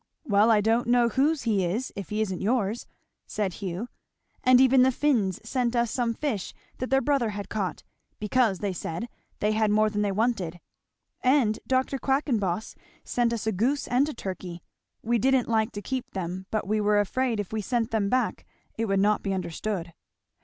"Well I don't know whose he is if he isn't yours," said Hugh. "And even the Finns sent us some fish that their brother had caught, because, they said, they had more than they wanted. And Dr. Quackenboss sent us a goose and a turkey. We didn't like to keep them, but we were afraid if we sent them back it would not be understood."